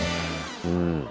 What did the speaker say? うん。